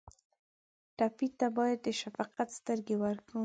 ټپي ته باید د شفقت سترګې ورکړو.